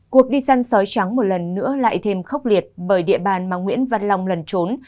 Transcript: cuộc đi săn sói trắng một lần nữa lại thêm khốc liệt bởi địa bàn mà nguyễn văn long lần trốn